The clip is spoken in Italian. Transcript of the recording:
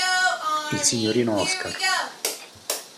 Il signorino Oscar.